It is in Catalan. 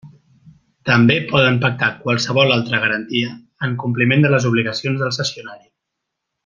També poden pactar qualsevol altra garantia en compliment de les obligacions del cessionari.